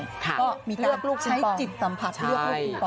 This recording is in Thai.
ก็มีการใช้จิตสัมผัสเลือกลูกกลุ่มปล่องเอานะครับ